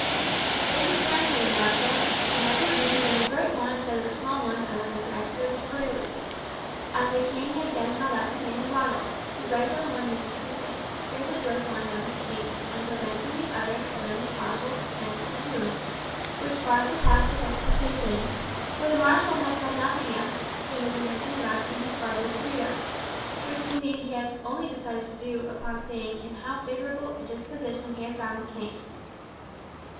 "It is granted, marshal, and had your boon been a great one instead of a small one I would have granted it as freely;" and the king again held out his hand to Ronald, who bent on one knee to kiss it, tears of joy flowing down his cheeks and preventing the utterance of any audible thanks for the boon, which far surpassed his expectations; for the marshal had said nothing as to his intention of asking his father's freedom, which indeed he only decided to do upon seeing in how favourable a disposition he had found the king.